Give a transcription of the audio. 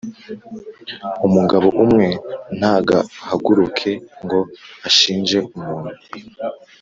Umugabo umwe ntagahaguruke ngo ashinje umuntu